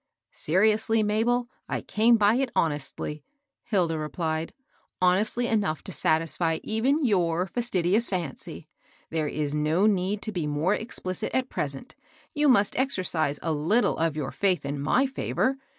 " Seriously, Mabel, I came by it honestly,'* Hilda replied, —" honestly enough to satisfy even your fastidious fancy. There ia ivo xsr^Al \r> >:jr^ 848 HABEL ROSS. more explicit at present, you must exercise a little of your fidth in my fevor.